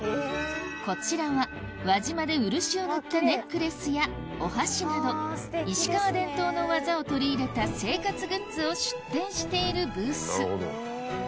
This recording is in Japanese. こちらは輪島で漆を塗ったネックレスやお箸など石川伝統の技を取り入れた生活グッズを出展しているブース